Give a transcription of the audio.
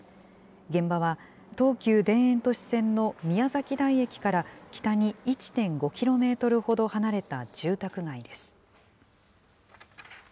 現場は、東急田園都市線の宮崎台駅から北に１．５キロメートルほど離れた住宅街です。